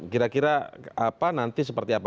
kira kira apa nanti seperti apa